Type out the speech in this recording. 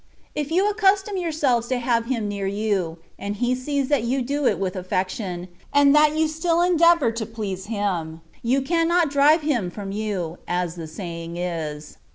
If you accustom yourselves to have Him near you, and He sees that you do it with aflfec tion, and that you still endeavour to please Him, you cannot drive Him from you, as the saying is.